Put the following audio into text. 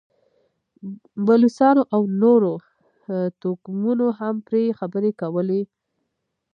بلوڅانو او نورو توکمونو هم پرې خبرې کولې.